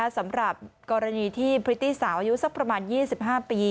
สำหรับกรณีที่พริตตี้สาวอายุสักประมาณ๒๕ปี